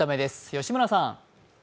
吉村さん。